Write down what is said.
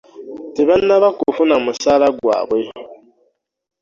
Tebanaba kufuna musaala gwabwe.